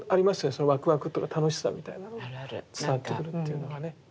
そのわくわくとか楽しさみたいなのが伝わってくるっていうのがね。